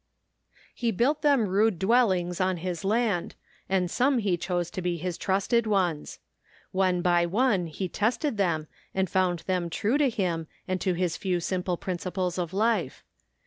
He built them rude dwellings on his land, and some he chose to be his trusted ones. One by one he tested ISO THE FINDING OF JASPER HOLT them and found them true to him and to his few simple principles of life.